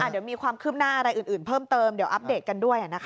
เดี๋ยวมีความคืบหน้าอะไรอื่นเพิ่มเติมเดี๋ยวอัปเดตกันด้วย